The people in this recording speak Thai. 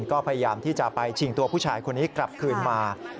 ก็พยายามที่จะไปชิงตัวผู้ชายคนนี้กลับคืนมา